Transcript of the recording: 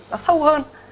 nó sâu hơn